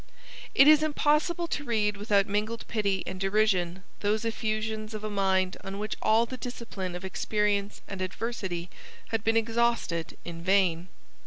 It is impossible to read without mingled pity and derision those effusions of a mind on which all the discipline of experience and adversity had been exhausted in vain.